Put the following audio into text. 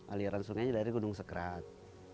aliran sungainya dari gunung sekrak